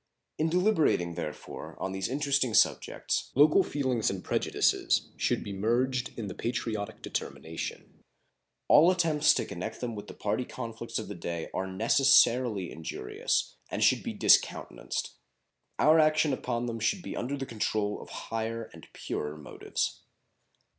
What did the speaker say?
In deliberating, therefore, on these interesting subjects local feelings and prejudices should be merged in the patriotic determination to promote the great interests of the whole. All attempts to connect them with the party conflicts of the day are necessarily injurious, and should be discountenanced. Our action upon them should be under the control of higher and purer motives.